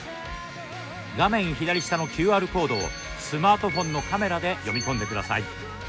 画面左下のＱＲコードをスマートフォンのカメラで読み込んでください。